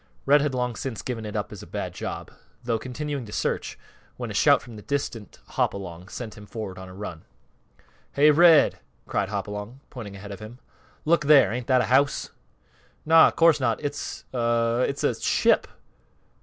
Red had long since given it up as a bad job, though continuing to search, when a shout from the distant Hopalong sent him forward on a run. "Hey, Red!" cried Hopalong, pointing ahead of them. "Look there! Ain't that a house?" "Naw; course not! It's a it's a ship!"